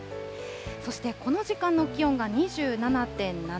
そしてこの時間の気温が２７．７度。